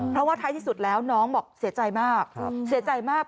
เพราะว่าท้ายที่สุดแล้วน้องบอกเสียใจมาก